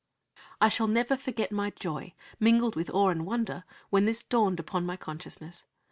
I shall never forget my joy, mingled with awe and wonder, when this dawned upon my consciousness.